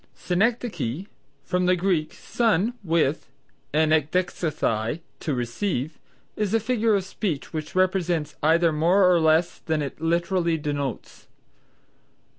Synecdoche (from the Greek, sun with, and ekdexesthai, to receive), is a figure of speech which expresses either more or less than it literally denotes.